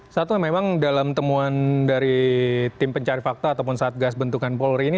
satwa memang dalam temuan dari tim pencari fakta ataupun satgas bentukan polri ini